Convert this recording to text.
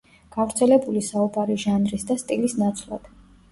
გავრცელებული საუბარი ჟანრის და სტილის ნაცვლად.